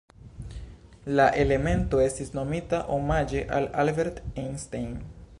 La elemento estis nomita omaĝe al Albert Einstein.